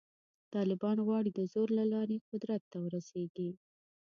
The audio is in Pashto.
طالبان غواړي د زور له لارې قدرت ته ورسېږي.